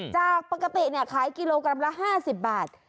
จากปกติขายกิโลกรัมละ๕๐บาท